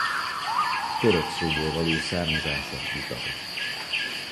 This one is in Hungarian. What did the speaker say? Török szóból való származása vitatott.